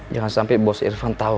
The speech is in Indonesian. jangan sampe bos irfan tau